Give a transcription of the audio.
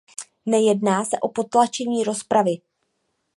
Nejedná se o potlačení rozpravy.